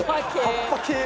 葉っぱ系。